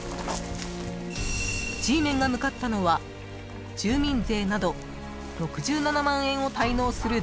［Ｇメンが向かったのは住民税など６７万円を滞納する男性の家］